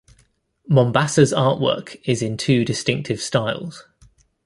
Mombassa's artwork is in two distinctive styles.